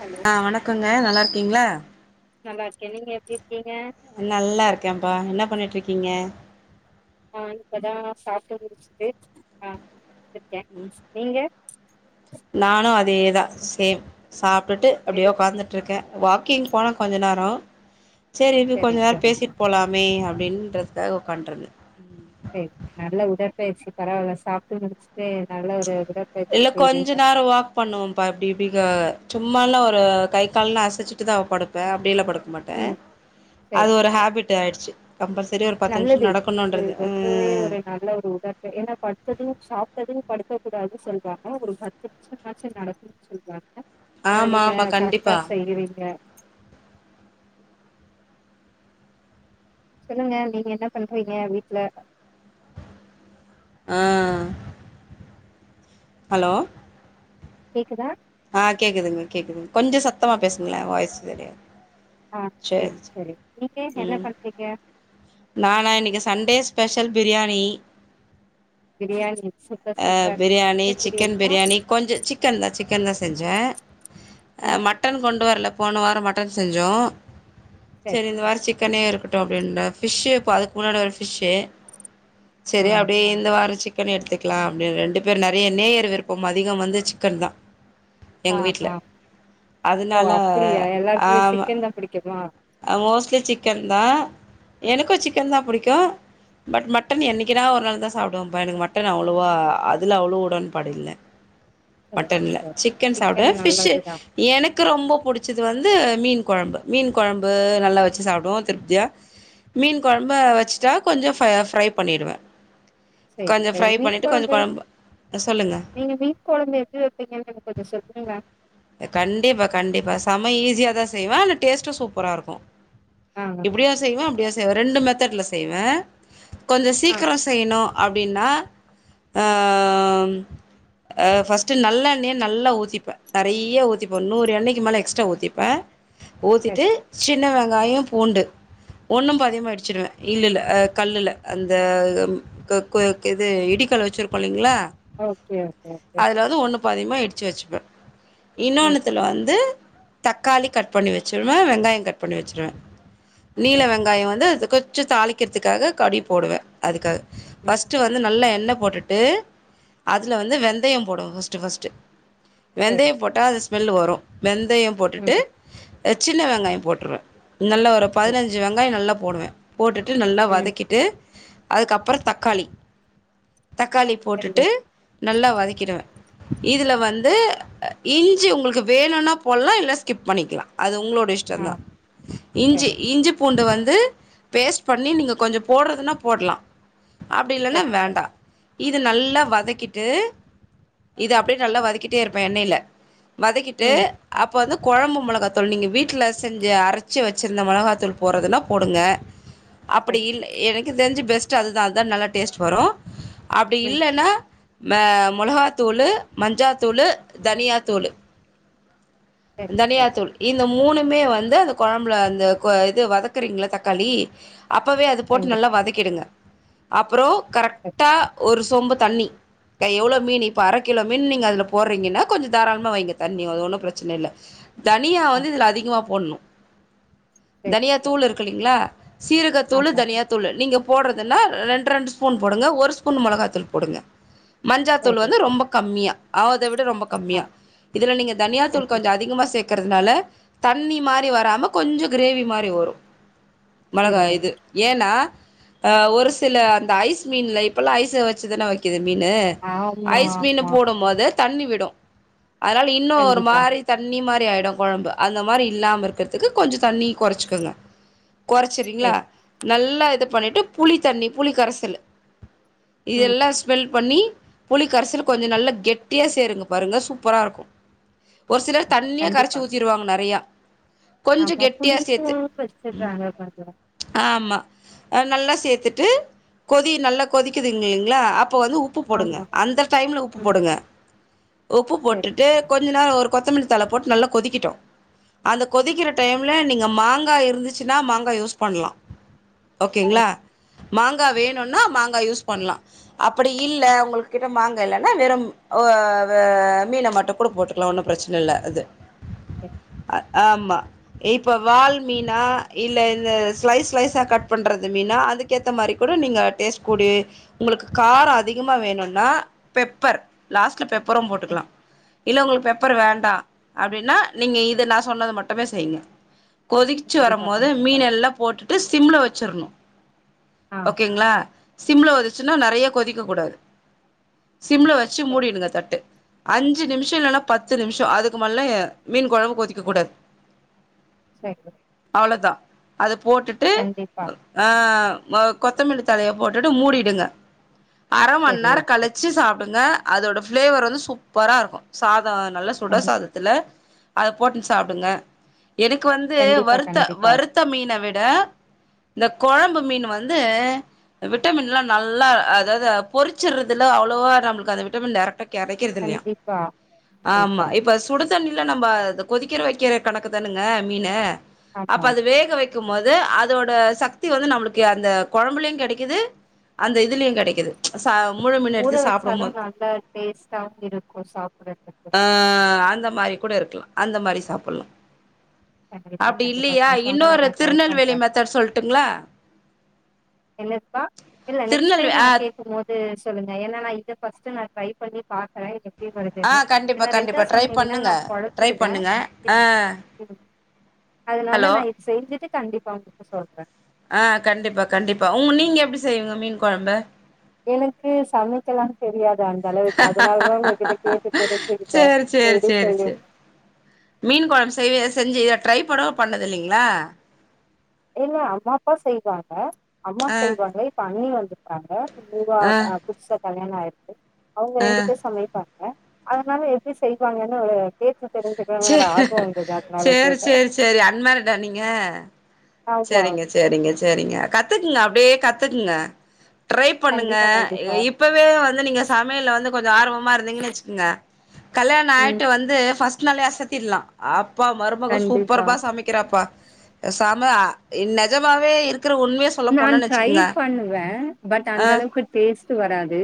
Hello ஆஹ் வணக்கங்க நல்லாருக் கிங்களா நல்லா இருக்கே நீங்க எப்படி நல்லா இருக்கேன்ப்பா என்ன பண்ணிட்ருக்கீங்க ஆஹ் இப்பதா சாப்பிட முடிஞ்சுது ஆஹ் க்கே நீங்க நானு அதேதா சேம் சாப் டுட்டு அப்டியே எப்படி? உக்காந்துட்ருக்கே வாக்கிங் போன கொஞ்ச நேர செரினு சரி கொஞ்ச நேர சரி பேசிட் போலாமே அ அப்டின்றதுக்காக உட்காங்டுற்ன்த சேரி சேர் பரவால்ல சாப்ட்டு முடிச்சுட்டு நல்ல ஒரு உடற்பயிற்சி இல்ல கொஞ்ச செய்றீங்க நேரோ வாக் பண்ணுவோம்பா அப்டி இப்டி கா சும்மாலா ஒரு கை கால்ல அசைச்சிட்டு தான் படுப்பே அப்டியிலா படுக் மாட்டே ம் அது சரி ஒரு சரி ஹேபிட் ஆயிற்ச்சு நல்லது இது ரொம்பவே ம் ஒரு நல்ல ஒரு [unintelligible] ஏன்னா பட்த்தது சாப்ட்டது படுத் போ கூடாது சொல்லுவாங்க ஒரு பத்து நிமிஷம்மாச்சு நடக்கனுன் சொல்வாங்க அ ஆமா நீங்க ஆமா கரெக்டா கண்டிப்பா செய்றீங்க சொல்லுங்க நீங்க என்ன பண்றீங்க வீட்ல அ ஹலோ கேக்குதா அ கேக்குதுங்க கேக்குதுங்க கொஞ்சோ சத்தமா பேசுங்களே வாயஸ் வேரி ஆவுத் அ செரி செரி நீங்க என்ன பண்றீங்க நானா இன்னிக்கு Sunday special biryani biryani super அ சூப்பர் பிரியாணி சிக்கன் பிரியாணியா பிரியாணி கொஞ்சோ சிக்கன் தா சிக்கன் தா செஞ்சே ம் மட்டன் கொண்டு வரல போன வாரோ மட்டன் செஞ்சோ சரி செரி இந்த வாரோ சிக்கனே இருக்கட் [unintelligible] அப்டின்னு ஃபிஷு அதுக் முன்னாடி வாரோ ஃபிஷு ஆ சேரி அப்டே இந்த வாரோ சி க்கன் எடுத்துக்கு க்கலா அப்டின் ரெண்டு பேர் நெறிய நேயர் விருப்பம் அதிகோ வந்து சிக்கன் தா அ எங்க வீட்ல அ ஓ அதனால அப்படியா எல்லார்க்குமே சிக்கன் தா பிடிக்குமா அ மோஸ்ட்லி சிக்கன் தா எனக்கு சிக்கன் தா புடிக்கு பட் மட்டன் என்னைக்குனா ஒரு நாள் தா சாப்டுவேப்பா எனக்கு மட்டன் அவ்ளோவா அதுல அவ்ளோ உடன்பாடில்ல சரி மட்டன்ல சரி சிக்கன் சாப்டுவே ஃபிஷ்ஷு நல்லதுதா எனக்கு ரொம்ப புடிச்சது வந்து மீன் கொழம்பு மீன் கொழம்பு நல்லா வச்சு சாப்டுவோ திருப்தியா, மீன் கொழம்பா வச்சுட்டா கொஞ்சோ ஃப்ஹ ஃப்ரை பண்ணிடுவே சரி கொஞ்சோ சரி ஃப்ரை மீன் பண்ணிட்டு கொஞ்சோ கொழம்பு சொல்லுங்க நீங்க மீன் கொழம்பு எப்டி வைப்பீங்கன்னு எனக்கு கொஞ்சோ சொல்லுங்களே கண்டிப்பா கண்டிப்பா சம ஈஸியா தா செய்வே இல்ல டேஸ்ட்டு சூப் பரா இருக்கு ஆ இப்டியூ செய்வோ அப்டியூ து ரெண்டு மெத்தட்ல் செய்வே கொஞ்சோ ஆ சீக்கிரோ செய்ணோ அப்டின்னா அ ம் அ ஃபஸ்ட்டு நல்ல எண்ணெய நல்லா ஊத்திப்பே நெறிய ஊத்திப்பே ஒரு நூறு எண்ணெய்க்கு மேலே எக்ஸ்ட்ரா ஊத்திப்பே ஊத்திட்டு சரி சின்ன வெங்காயொ பூண்டு ஒன்னூம் பாதிமா இடிச்சிடுவே இல் இல்ல அஹ் கல்லுல்ல அந்த ம் கக் குவ கெ இது இடிக்கல் வச்சுருப்போ இல்லிங்கலா ஓகே ஓகே ஓகே ப்ப அதிகமா இடிச்சு வச்சுப்பே ம் இன்னோன்னுத்துல வந்து தக்காளி கட் பண்ணி வச்சுடுவே வெங்காயம் கட் பண்ணி வச்சுருவே நீல சரி வெங்காயொ வந்து அதுக்கு மிச்ச தாளிக்கிறதுக்காக கடி போடுவே அதுக்காக ம் ஃபஸ்ட் வந்து நல்லா எண் ண்ணெ போட்டுட்டு அதுல வந்து வெந்தயம் போடுவே ஃப்ஸ்ட் ஃப்ஸ்ட் சரி வெந்தயம் போட்டா அது ஸ்மெல் வரு வெந்தயம் போட்டுட்டு ம் அ சின்ன வெங்காயம் போட் ட்ருவ நல்ல ஒரு சரி பதினஞ்சு வெங்காயம் நல்லப் போடுவே போட்டுட்டு நல்லா ம் வதக்கிட்டு அதுக்கப்பறொ தக்காளி தக்காளி சரி போட்டுட்டு ஓகே நல்லா வதக்கிடுவே இதுல வந்து அஹ் இஞ்சி உங்களுக்கு வேணும்னா போட்லா இல்ல ஸ்கிப் பண்ணிக்கலா அது உங்களோட ங்க ஆ இஷ்டந்தா இஞ்சி சரி இஞ்சி பூண்டு வந் ந்து பேஸ்ட் பண்ணி நீங்க கொஞ்சொ போடுறதுன்னா போட்லா அப்படி இல்லன்னா சரி சரி வேண்டா இது நல்லா வதக்கிட்டு இத அப்டே நல்லா வதக்கிட்டே இருப்பே எண்ணைய்ல வதக்கிட்டு ம் அப்ப வந்து கொழம்பு மொளகாத்தூள் நீங்க வீட்ல செஞ் ஞ்சு அரச்சி வச்சிருந்த மொளகாத்தூள் போட்றதுன்னா போடுங்க அப்டி சரி இல்ல எனக்கு தெர்ஞ்சு பெஸ் ச்ச அதுதா அதுதா நல்லா டேஸ்ட் வரு அப்டி ம் இல்லன்னா மே மொளகாதூளு மஞ்சாதூளு தனியாதூளு சரி தனியா சரி தூள் இந்த மூணுமே வந்து அந்த கொழம்புல அந்த கொ இது வதக்குறீங்கல்ல தக்காளி அப்பவே அது போட்டு நல்லா கண்டிப்பா வதக்கிடுங்க அப்புறோ சரி கரக்ட்டா ஒரு ஸ் சொம்பு தண்ணி கை எவ்ளோ மீன் இப்ப அர கிலோ மீன் நீங்க அதுல போர்றீங்கன்னா கொஞ்சொ தாராள்மா வைங்க தண்ணி அது ஒன்னு ப்ரச் ச்சன ல்ல தனியா ஆ வந்து இதுல அதிகமா போட்ணு சரி தனியா சரி தூள் இருக்கக் இல்லீங்ளா சீரகத்தூளு ஆமா தனியா தூளு நீங்கப் போட்றதுன்னா ரெண்ட் ரெண்ட் ஸ்பூன் போடுங்க ஒரு ஸ்பூன் மொளகாத்தூள் போடுங்க மஞ்சாத்தூள் சரி வந்து ரொம்ப கம்மியா ஆவ்த விட ரொம்ப ஆ கம்மியா இதுல நீங்க தனியா தூள் கண்டிப்பா அதிகமா சேக்கறதுனால தண்ணி மாரி வராம கொஞ்சொ க்ரேவி மாரி வரு சரி மெளகா ஓ இது ஏன்னா ஆ ஒரு சில அந்த ஐஸ் மீன்ல இப்பல்லா ஐஸு வச்சுதான விக்கிது மீனு ஆமா ஐஸ் மீனு ஆமா போடம்போது தண்ணி விடு அத்னால இன்னு ஒரு கண்டிப்பா மாரி தண்ணி மாரி ஆய்டு கொழம்பு அந்த மாரி இல்லாம இருக்கற்த்துக்கு கொஞ்ச தண்ணி கொறச்சிக்கோங்க கொறச்சிர்றீங்ளா சரி நல்லா இது பண்ணிட்டு புளி தண்ணி புளி கரசலு ம் இதெல்லா ஸ்மெல்ப் பண்ணி புளி கரசல் கொஞ்சொ நல்லா கெட்டியா சேருங்க பாருங்க சூப்பராருக்கு ஒரு சிலர் தண்ணியா கரச்சி கண்டிப்பா ஊத்திருவாங்க நறையா கொஞ்ச ஆமா கெட்டியா புளிப்பு சேத்து ம் வச்சிடுறாங்க கொஞ்சோ ஆமா அ நல்லா சேத்துட்டு கொதி நல்லா கொதிக்கிதுங்கில்லிங்களா அப் ப வந்து உப்பு போடுங்க ஆமா அந்த டைம்ல உப்பு ம் போடுங்க உப்பு சரி போட்டுட்டு ஓகே கொஞ்ச நேரொ ஒரு கொத்தமல்லி தழ போட்டு நல்லா கொதிக்கெட்டு அந்த கொதிக்கிற டயம்ல நீங்க மாங்கா இருந்துச்சுனா மாங்கா யூஸ் பண்லா ஓகேங்ளா சரி மாங்கா வேணுன்னா மாங்கா யூஸ் பண்லா அப்படி இல்ல உங்கள் கிட்ட மாங்கா இல்லன்னா வெறும் ஓ வ மீன மட்டுக் கூட போட்டுக்லா ஒன்னு ப்ரச்ன இல்ல அது அ [unintelligible] ஆமா இப்ப வால் மீனா இல்ல இந்த ஸ்லைஸ் ஸ்லைஸ்ஸா கட் பண்றது மீனா அதுக்கேத்த மாரி கூட நீங்க டேஸ்ட்குடி உங்களுக்கு காரம் அதிகமா வேணும்னா பெப்பர் லாஸ்ட்ல பெப் அப்புறம் சரி போட்டுக்கலாம் இல்ல உங்களுக்கு பேப் அப்புறோ வேண்டா அப்படின்னா நீங்க இது நான் சொன்னது மட்டுமே செய்யுங்க கொதிக்கச்சு வரும் கண்டிப்பா போது கண்டிப்பா மீன் எல்லாம் போட்டுட்டு சிம்ள வச்சிறணும் ஆ ஓகேங்களா சிம்ள வெச் ன்னா நெறைய கொதிக்க கூடாது சிம்ல வச்சு சரி மூடிடுங்க தட்டு அஞ்சு நிமிஷம் இல்லைன்னா பத்து நிமிஷம் அதுக்கு மேல மீன் கொழும்பு கொதிக்க கூடாது செரி அவ்ளோ தான் அது போட்டுட்டு ஆ ஆ ஆ, கொத்தமல்லி தலைய போட்டுட்டு மூடிடுங்க அர மணி சரி நேரம் ஓகே கழிச்சு சாப்பிடுங்க அதோட பிளேவர் வந்து சூப்பரா இருக்கும் சாப்ப ஆர் நல்ல கண் சுடசாதத்துல அத போட்டுன்னு சாப்பிடுங்க எனக்கு வந்து கண்டிப்பா வறுத்த கண்டிப்பா வருத்த மீனை விட, இந்த குழம்பு மீன் வந்து விட்டமின்லாம் நல்லா அதாவது பொரிச்சறதுல அவ்வளோவா நம்மளுக்கு அந்த விட்டமின் டைரக்டா கிடக்கறதில்லையா கண்டிப்பா ஆமா கண்டிப்பா இப்ப சுடு தண்ணில நம்ம கொதிக்கிற வைக்கிற கணக்கு தானுங்க மீனை அப்ப ஆமா அது வேக வைக்க இருக்கும் போது அதோட சக்தி வந்து நம்மளுக்கு அந்த குழம்புலையும் கிடைக்குது அந்த இதுலயும் கிடைக்குது ஊற வச்சாலும் நல்லா டேஸ்டாவவும் இருக்கும் சாப்படுறதுக்கு ஆ ஆ அந்த மாரி கூட இருக்கலா அந்த மாதிரி சாப்பிடலா கண்டிப்பா அப்டி கண்டிப்பா இல்லையா நீ சொன்னத இன்னொரு நா ட்ரை திருநெல்வேலி பண்றே மெத்தட் சொல்ட்டுங்களா என்னங்க்கா இல்ல நெக்ஸ்ட் டைம் திருநெல்வே நா ஆ கேக்கும்போது சொல்லுங்க ஏனா நா இத ஃபர்ஸ்ட் நா ட்ரை பண்ணி பாக்கற ஆ கண்டிப்பா கண்டிப்பா ட்ரை பண்ணுங்க நா ட்ரை கொழப்பிடுவே பண்ணுங்க ஆ அதனால ஹலோ நா இது செஞ்சுட்டு கண்டிப்பா உங்கிட்ட சொல்ற ஆ கண்டிப்பா கண்டிப்பா உ நீங்க எப்டி செய்விங்க மீன் கொழம்பு எனக்கு சமைக்கலா தெரியா து அந்த அளவுக்கு அதனாலதா உங்ககிட்ட கேட்டு தெரிஞ்சுக்கிட்ட சேரி சேரி எப்டி சேரி செய்னுனு சேரி மீன் கொழம்பு செய்வே செஞ்சு இத ட்ரை கூடவா பண்ணது இல்லைங்ளா இல்ல அம்மா அப்பா செய்வாங்க அம்மா ஆ செய்வாங்க, இப்ப அண்ணி வந்துருக்காங்க நியூவா ஆ அ புதுசா கல்யாண ஆயி அவங்க ஆ ரெண்டு பேரும் சமைப்பா ங்க, அதனால எப்டி செய்வாங்கன்னு ஒரு கே சேரி, கேட்டே சேரி, சேரி, அன் மேரிடா நீங்க ஆமா சேரிங்க சேரிங்க சேரிங்க கத்துக்குங்க அப் அப்டியே கத்துக்குங்க ட்ரை பண்ணுங்க கண்டிப்பா கண்டிப்பா இப்பவே வந்து நீங்க சமையல்ல வந்து கொஞ்சோ ஆர்வமா இருந்தீங்கன்னு வச்சுக்கோங்க கல்யாணம் ம் ஆயிட்டு வந்து ஃபஸ் ட்னாலே அசத்திட்லா, அ ப்பா மருமக கண்டிப்பா சூப்பர்ப்பா சமைக்கிறாப்பா செம நெஜமாவே இருக் நான் ட்ரை பண்ணுவே, பட் ஆ அந்த அளவுக்கு டேஸ்ட் வராது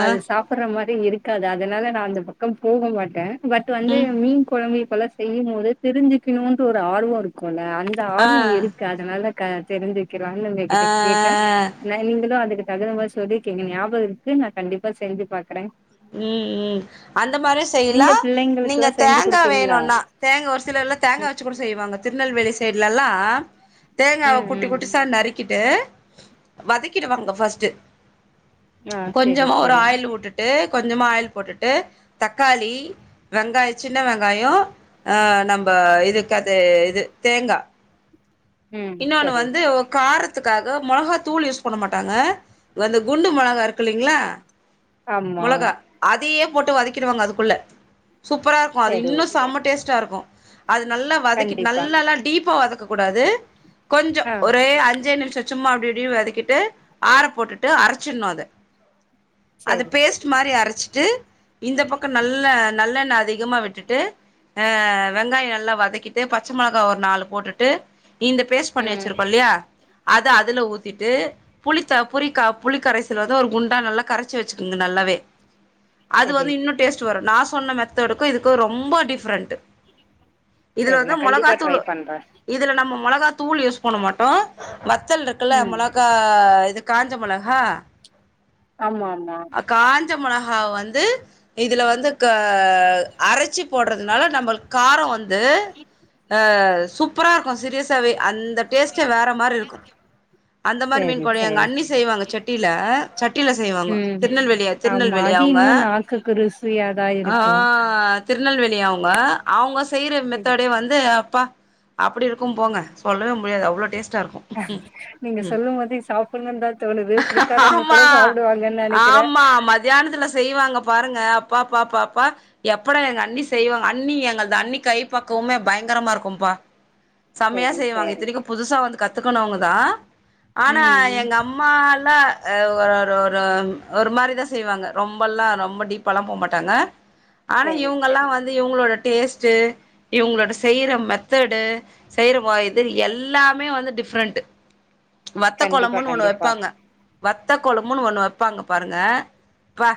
ஆ சாப்புட்ற மாரி எப்டியு இருக்காது அதனால நா அந்த பக்கம் போக மாட்ட பட் வந்து ம் மீன் கொழம்பு இப்பலா செய்யும் போது திரிஞ்சுக்கணுன்ட் ஒரு ஆர்வ இருக்குல்ல அந்த ஆ ஆர்வ இருக்கு அதனால க தெரிஞ்சு க்லானு ஆ உங்ககிட்ட கேட்ட நீங்களு அதுக்கு தகுந்த மாரி சொல்லிருக்கிங்க ஞாபக இருக்கு நா கண்டிப்பா செஞ்சு பாக்குறே ம் ம் அந்த மாரியு செய்யலா நீங்க நீங்க பிள்ளைங்களுக்குல்லா செஞ்சு தேங்கா குடுப்பீங்களா வேணுன்னா தேங்கா ஒரு சிலர்லா தேங்கா ம் வெச்சு கூட செய்வாங்க திருநெல்வேலி சைடெ ல்லா தேங்காவ ம் குட்டி ம் குட்டிசா நறுக்கிட்டு வதக்கிடுவாங்க ஃபஸ்ட்டு ஆ செரி கொஞ்சமா ஒரு செரி ஆயில் உட்டுட்டு கொஞ்சமா ஆயில் போட்டுட்டு தக்காளி வெங்காய சின்ன வெங்காய அ நம்ப இதுக்கு அது இது தேங்கா ம் இன்னொன்னு சரி வந்து ஓ காரத் துக்காக மொளகா தூள் யூஸ் பண்ண மாட்டாங்க வந்து குண்டு மொளகா இருக்கு இல்லலைங்களா ஆமா மொளகா அதேயு போட்டு வாதக்கிடுவாங்க அதுக்குள்ள சூப்பரா இருக்கும் அது சரி இன்னும் ஓகே செம்ம டேஸ்ட்டா இருக்கும் அது நல்லா வதக்கி கண்டிப்பா நல்லல்லா டீப்பா வதக்கு கூடாது கொஞ்சோ ஆ ஒரு அஞ்ஜே நிம்ஷோ சும்மா அப்டின் டியு வதக்கிட்டு ஆற போட்டுட்டு அரைச்சிடனும் அத அது செரி செரி பேஸ்ட் மாரி அரைச்சிட்டு இந்த பக்கோ நல்ல நல்லெண்ண அதிகமா விட்டுட்டு அஹ் வெங்காயம் நல்லா வதக்கிட்டு பச்ச மிளகாய் ஒரு நாலு போட்டுட்டு இந்த பேஸ்ட் பண்ணி ம் வச்சிருக்கோம் இல்லையா அத அதுல ஊத்திட்டு புளித்தா புரிக்கா புளிக்கரைசல் வந்து ஒரு குண்டா நல்லா கரைச்சு வச்சுக்குங்க நல்லாவே அது செரி வந்து இன்னும் டேஸ்ட் வரும் நான் சொன்ன மெத்தடுக்கும் இதுக்கு ரொம்போ டிஃப்ரெண்ட்டு இதுல செரி நா வந்து கண்டிப்பா ட்ரை மொளகாத்தூளு பண்றே இதுல நம்ம மொளகா தூள் யூஸ் பண்ண மாட்டோம் வத்தல்ருக்குல்ல ம் மொளக்கா இத் இது காஞ்ச மொளகா ஆமா ஆமா ஞ்ச மொளகாவ வந்து இதுல வந்து க அ அரச்சி போட்றதுனால நம்பளுக் காரோ வந் தூ ஆஹ சு ப்பரா இருக்கும் சீரியஸாவே அந்த டேஸ்ட்டே வேறு மாரி இருக்கும், அந்த மாரி மீன் சேரி குழையங்க சேரி அண்ணி செய்வாங்க செட்டியில் சட்டியில செய்வாங்கோ ம் ஆமா தி இன்னும் நாக்குக்கு ருசியாதா ஆ இருக்கும் திருநெல்வேலி அவங்க அவங்க ஸ் செய்ற செரி மெத்தோடே வந்து ப்பா அப்புடி இருக்கும் போங்க சொல்லவே முடியாது அவ்வளோ டேஸ்ட் நீங்க சொல்லும் போதே சாப்புட்ன்னு தான் தோணுது பிடிக்காதவங்க ஆமா கூட சாப்புடுவாங்கன்னு நனைக் ஆமா மத்தியானத்துல செய்வாங்க பாருங்க அப்பாப்பா பாப்பா எப்படா எங்க அண்ணி செய்வாங் அண்ணி எங்கள்து அண்ணி கை பக்குவமே பயங்கரமா இருக்கும்பா செமையா செரி செய்வாங்க செரி இத்தனைக்கு புதுசா வந்து கத் த்துக்கணவுங்கதா ஆனா ம் எங்கம்மா ன அவ் ஒரொரு ஒரு ஒரு மாரிதா செய்வாங்க ரொம்பல்லா ரொம்ப டீப்பால்லா போமாட்டாங்க ஆனா செரி இவங்கல்லா செரி வந்து இவங்களோட டேஸ்டு இவங்ளோட செய்ற மெத்தடு செய்ற வ இது எல்லாமே வந்து டிஃப்ரெண்ட்டு கண்டிப்பா வத்தக்கொழம்புன் ஒண்ணு கண்டிப்பா வெப்பாங்க வத்தக்கொழம்புன் ஒண்ணு வெப்பாங்க பாருங்க ப்பா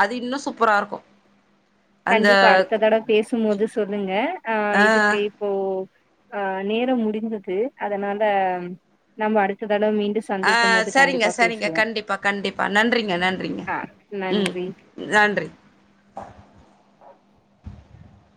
அது இன்னு சூப்பராருக்கு கண்டிப்பா அடுத்த தடவ் பேசும் போது சொல்லுங்க ஆஹ் ஆ இதுக்கு இப்போ அ நேரம் முடிந்தது அதனால நம்ம அடுத்த தடவ மீண்டு சந்திக்கும் ஆஹ் போது சரிங்க கண்டிப்பா சரிங்க பேசுவோ கண்டிப்பா கண்டிப்பா நன்றிங்க நன்றிங்க ஆ ம் நன்றி நன்றி